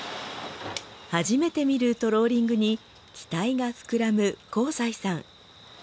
初めて見るトローリングに期待が膨らむ幸才さん。